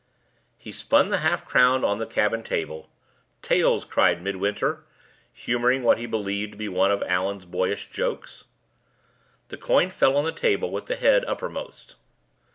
He spun the half crown on the cabin table. "Tails!" cried Midwinter, humoring what he believed to be one of Allan's boyish jokes. The coin fell on the table with the Head uppermost.